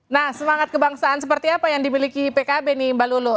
nah semangat kebangsaan seperti apa yang dimiliki pkb nih mbak lulu